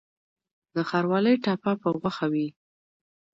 د ښاروالۍ ټاپه په غوښه وي؟